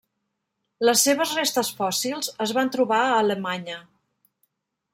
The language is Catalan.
Les seves restes fòssils es van trobar a Alemanya.